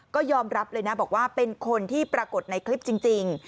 ก็ยอมรับเลยนะบอกว่าเป็นคนที่ปรากฏในคลิปจริง